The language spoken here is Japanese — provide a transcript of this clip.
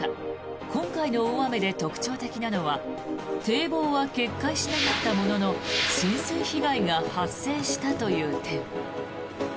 今回の大雨で特徴的なのは堤防は決壊しなかったものの浸水被害が発生したという点。